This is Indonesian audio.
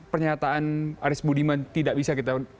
pernyataan aris budiman tidak bisa kita